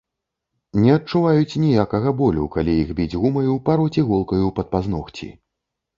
Не адчуваюць ніякага болю, калі іх біць гумаю, пароць іголкаю пад пазногці.